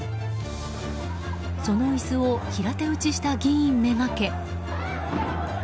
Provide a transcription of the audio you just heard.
その椅子を平手打ちした議員めがけ。